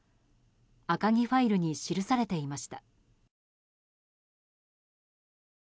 赤木ファイルに記されていました。